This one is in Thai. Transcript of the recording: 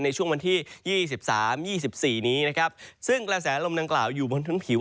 ในช่วงวันที่๒๓๒๔นี้ซึ่งกระแสลมลมดังกล่าวอยู่บนทั้งผิว